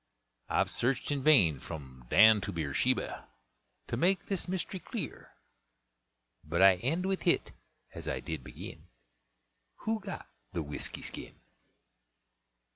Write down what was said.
I've searched in vain, from Dan to Beer Sheba, to make this mystery clear; But I end with HIT as I did begin, "WHO GOT THE WHISKY SKIN?"